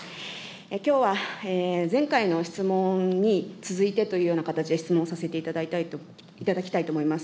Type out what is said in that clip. きょうは、前回の質問に続いてというような形で質問させていただきたいと思います。